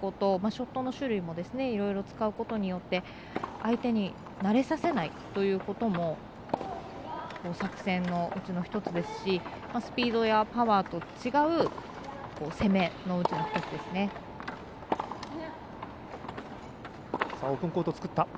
ショットの種類もいろいろ使うことによって相手に慣れさせないということも作戦のうちの１つですしスピードやパワーの違う攻めも持ち味の１つですね。